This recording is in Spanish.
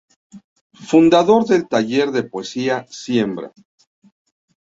Fundador del taller de poesía Siembra.